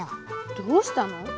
どうしたの？